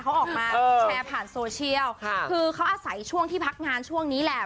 เขาออกมาแชร์ผ่านโซเชียลค่ะคือเขาอาศัยช่วงที่พักงานช่วงนี้แหละ